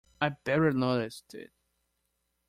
I barely noticed it.